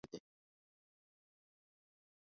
د ویزیریستان پختانه ډیر پیاوړي او غیرتي خلک دې